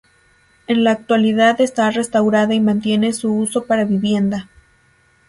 En la actualidad está restaurada y mantiene su uso para vivienda.